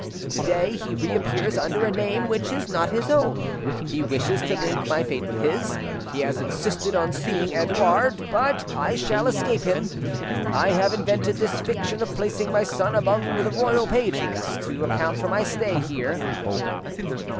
To day he reappears under a name which is not his own: he wishes to link my fate with his; he has insisted on seeing Edouard. But I shall escape him. I have invented this fiction of placing my son among the, royal pages to account for my stay here.